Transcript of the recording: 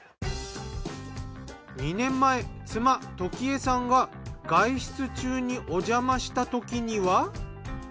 ２年前妻・時枝さんが外出中におじゃましたときには。